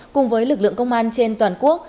cùng với lực lượng công an trên toàn quốc